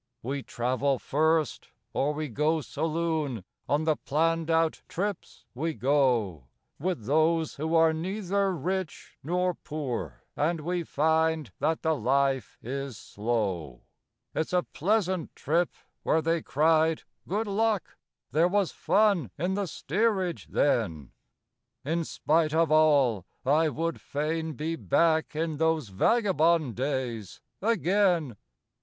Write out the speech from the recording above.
We travel first, or we go saloon on the planned out trips we go, With those who are neither rich nor poor, and we find that the life is slow; It's 'a pleasant trip' where they cried, 'Good luck!' There was fun in the steerage then In spite of all, I would fain be back in those vagabond days again.